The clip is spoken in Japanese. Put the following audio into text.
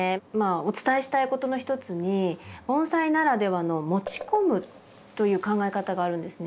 お伝えしたいことのひとつに盆栽ならではの「持ち込む」という考え方があるんですね。